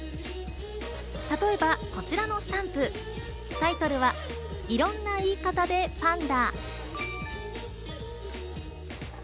例えばこちらのスタンプ、タイトルは、「いろんな言い方でぱんだ」。